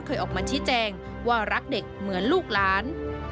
เคยออกมาชี้แจงว่ารักเด็กเหมือนลูกหลาน